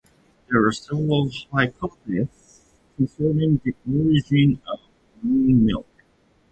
There are several hypotheses concerning the origin of moonmilk.